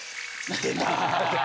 出た。